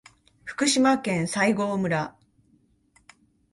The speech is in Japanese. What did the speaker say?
福島県西郷村